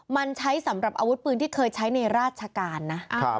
มันใช้สำหรับอาวุธปืนที่เคยใช้ในราชการนะ